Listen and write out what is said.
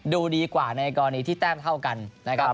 ดูดีกว่าในกรณีที่แต้มเท่ากันนะครับ